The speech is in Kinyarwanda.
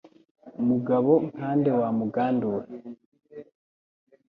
Mugabo nka nde wa Mugandura